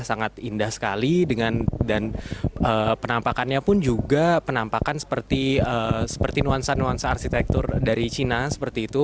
sangat indah sekali dan penampakannya pun juga penampakan seperti nuansa nuansa arsitektur dari cina seperti itu